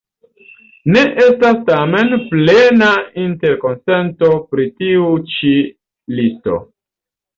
Ne estas tamen plena interkonsento pri tiu ĉi listo.